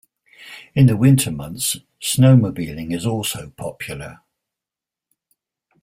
In the winter months, snowmobiling is also popular.